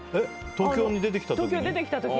東京に出てきたときに？